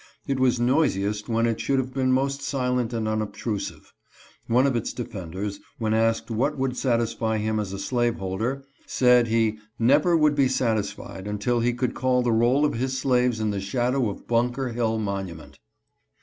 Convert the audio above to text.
It was noisiest when it should have been most silent and unobtrusive. One of its defenders, when asked what would satisfy him as a slaveholder, said he " never would be satisfied until he could call the roll of his slaves in the shadow of Bunker Hill monument."